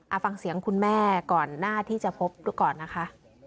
เอาฟังเสียงคุณแม่ก่อนหน้าที่จะพบดูก่อนนะคะ